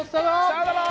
さよなら！